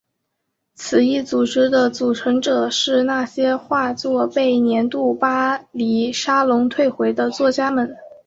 此一组织的组成者是那些画作被年度巴黎沙龙退回的画家们。